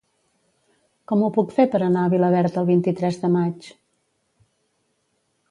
Com ho puc fer per anar a Vilaverd el vint-i-tres de maig?